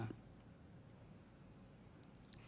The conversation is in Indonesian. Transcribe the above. dan persentasenya juga sudah diperlihatkan kepada kami bersama